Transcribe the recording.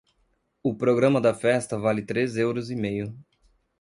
O programa da festa vale três euros e meio.